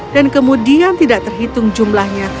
dan kemudian tidak terhitung jumlahnya